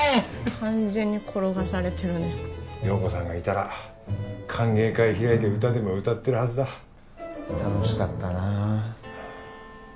完全に転がされてるね陽子さんがいたら歓迎会開いて歌でも歌ってるはずだ楽しかったなあ